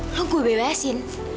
lo gue bebasin